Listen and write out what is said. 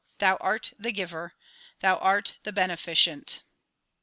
Thou art the giver ! Thou art the beneficent